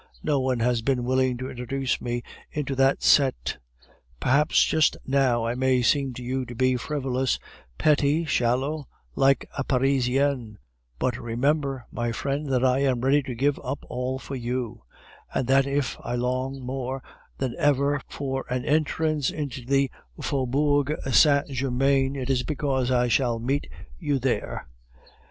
No one has been willing to introduce me into that set. Perhaps just now I may seem to you to be frivolous, petty, shallow, like a Parisienne, but remember, my friend, that I am ready to give up all for you; and that if I long more than ever for an entrance into the Faubourg Saint Germain, it is because I shall meet you there."